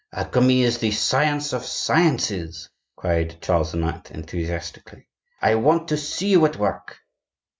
"Alchemy is the science of sciences!" cried Charles IX., enthusiastically. "I want to see you at work."